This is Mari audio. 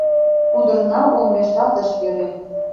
Кудырна олмешат ыш йӧрӧ.